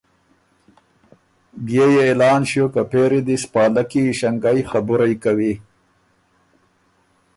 بيې يې اعلان ݭیوک که پېری دی سو پالکي ایݭنګئ خبُرئ کوی،